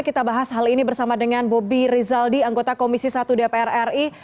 kita bahas hal ini bersama dengan bobi rizaldi anggota komisi satu dpr ri